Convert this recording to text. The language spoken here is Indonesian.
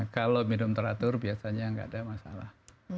kalau minum teratur biasanya nggak ada masalah